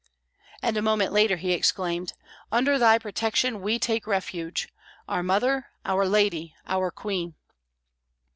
And a moment later he exclaimed: "Under Thy protection we take refuge, Our Mother, Our Lady, Our Queen!"